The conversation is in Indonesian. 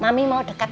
mami mau dekat kalian